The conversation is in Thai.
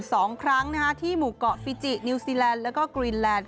สองครั้งนะคะที่หมู่เกาะฟิจินิวซีแลนด์แล้วก็กรีนแลนด